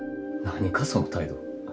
何かその態度。